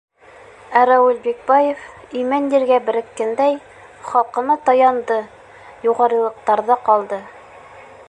Ә Рауил Бикбаев, имән ергә береккәндәй, халҡына таянды — юғарылыҡтарҙа ҡалды.